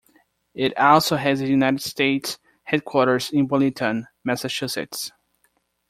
It also has a United States headquarters in Burlington, Massachusetts.